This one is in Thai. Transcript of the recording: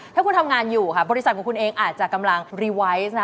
ถ้าคุณทำงานอยู่ค่ะบริษัทของคุณเองอาจจะกำลังรีไวท์นะ